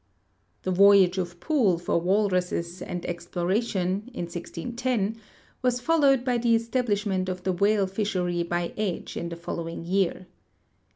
The voyage of Poole for walruses and exploration, in 1610, was followed by the establishment of the whale fishery by Edge in the following year.